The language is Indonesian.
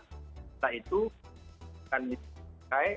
data itu akan disisihkan